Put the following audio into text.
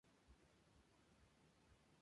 Habita en Sumatra, Java, Borneo.